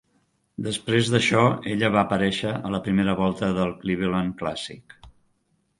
Després d'això ella va aparèixer a la primera volta del Cleveland Clàssic.